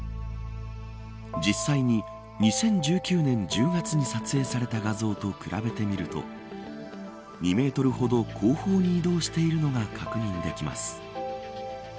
実際に２０１９年１０月に撮影された画像と比べてみると２メートルほど後方に移動しているのが確認できます。